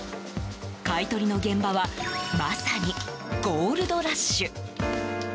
買い取りの現場はまさにゴールドラッシュ。